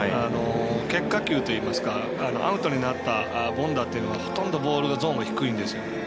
結果球といいますかアウトになった凡打というのはほとんどボールのゾーンが低いんですよ。